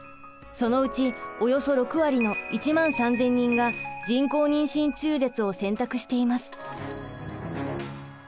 そのうちおよそ６割の１万３，０００人が人工妊娠中絶を選択しています。